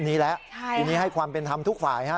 ทีนี้แล้วทีนี้ให้ความเป็นธรรมทุกฝ่ายฮะ